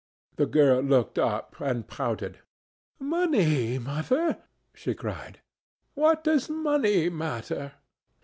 The girl looked up and pouted. "Money, Mother?" she cried, "what does money matter?